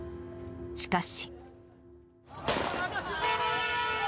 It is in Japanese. しかし。